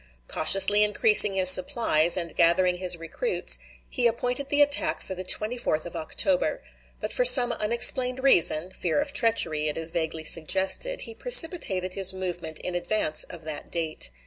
Cautiously increasing his supplies, and gathering his recruits, he appointed the attack for the 24th of October; but for some unexplained reason (fear of treachery, it is vaguely suggested) he precipitated his movement in advance of that date.